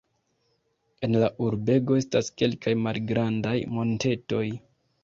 En la urbego estas kelkaj malgrandaj montetoj.